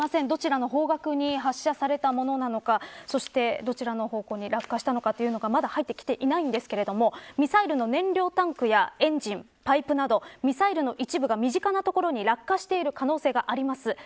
どちらの方角に発射されたものなのかそして、どちらの方向に落下したのかというのがまだ入ってきていないんですがミサイルの燃料タンクやエンジンパイプなどミサイルの一部が身近な所に落下している可能性があります。